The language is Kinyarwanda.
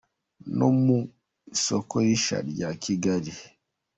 no mu isoko rishya rya Kigali.